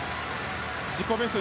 自己ベスト